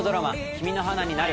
「君の花になる」